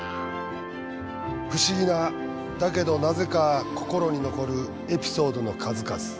不思議なだけどなぜか心に残るエピソードの数々。